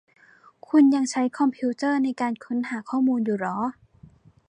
คุณยังใช้คอมพิวเตอร์ในการค้นหาข้อมูลอยู่หรอ